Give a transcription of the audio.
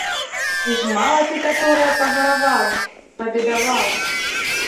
Ці ж мала ты каторая пагаравала, пабедавала?